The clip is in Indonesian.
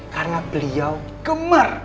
karena beliau gemar